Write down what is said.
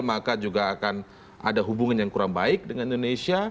maka juga akan ada hubungan yang kurang baik dengan indonesia